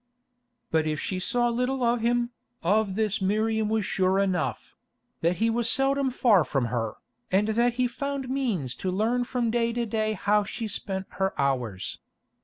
But if she saw little of him, of this Miriam was sure enough—that he was seldom far from her, and that he found means to learn from day to day how she spent her hours.